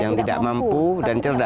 yang tidak mampu dan